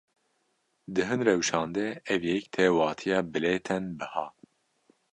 Di hin rewşan de ev yek tê wateya bilêtên biha.